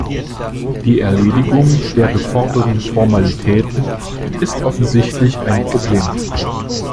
Die Erledigung der geforderten Formalitäten ist offensichtlich ein Problem.